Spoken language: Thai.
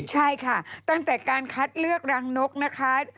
ใช่ค่ะตั้งแต่การคัดเลือกรังนกนะคะ